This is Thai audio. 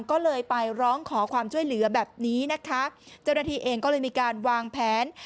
ก็เลยไปร้องขอความช่วยเหลือแบบนี้นะคะเจ้าหน้าที่เองก็เลยมีการวางแผน